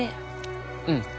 うん。